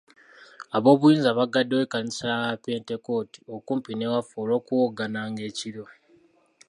Ab'obunyinza bagaddewo ekkanisa y'abapentekooti okumpi n'ewaffe olw'okuwoggananga ekiro.